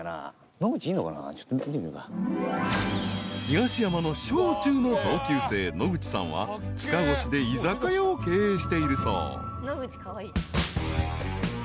［東山の小中の同級生野口さんは塚越で居酒屋を経営しているそう］